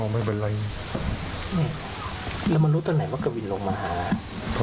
กลับมาศพ